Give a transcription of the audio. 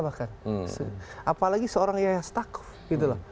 apalagi seorang yahya stakhov